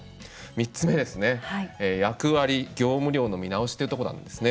３つ目は、役割、業務量の見直しということなんですね。